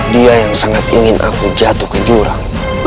dia yang sangat ingin aku jatuh ke jurang